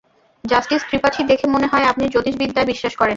Justice Tripathi, দেখে মনে হয় আপনি জ্যোতিষবিদ্যায় বিশ্বাস করেন।